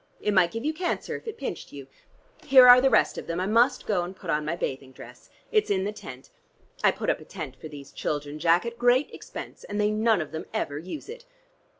It might give you cancer if it pinched you. Here are the rest of them: I must go and put on my bathing dress. It's in the tent. I put up a tent for these children, Jack, at great expense, and they none of them ever use it.